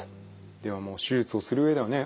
ではもう手術をする上ではね